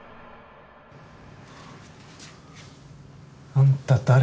あんた誰？